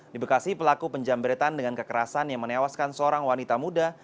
di bekasi pelaku penjambretan dengan kekerasan yang menewaskan seorang wanita muda